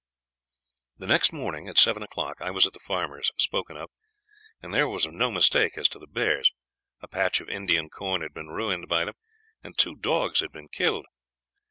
"The next morning, at seven o'clock, I was at the farmer's spoken of, and there was no mistake as to the bears. A patch of Indian corn had been ruined by them, and two dogs had been killed.